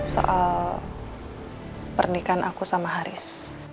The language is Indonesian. soal pernikahan aku sama haris